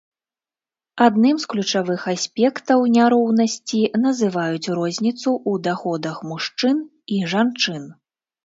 Адным з ключавых аспектаў няроўнасці называюць розніцу ў даходах мужчын і жанчын.